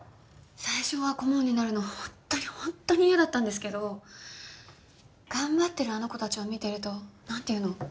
最初は顧問になるの本当に本当に嫌だったんですけど頑張ってるあの子たちを見てるとなんていうの？